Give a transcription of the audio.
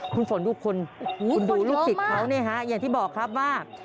คุณฝนทุกคนคุณดูลูกศิษย์เขาเนี่ยฮะอย่างที่บอกครับว่า